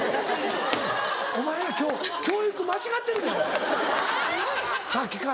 お前教育間違ってるでさっきから。